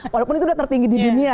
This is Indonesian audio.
walaupun itu sudah tertinggi di dunia